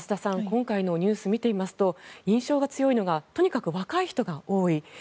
今回のニュースを見ていますと印象が強いのがとにかく若い人が多い。